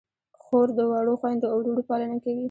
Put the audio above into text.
خور د وړو خویندو او وروڼو پالنه کوي.